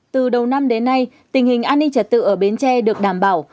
từ đầu năm đến nay tình hình an ninh trật tự ở bến tre được đảm bảo